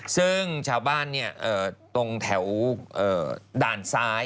ซึ่งชาวบ้านตรงแถวด่านซ้าย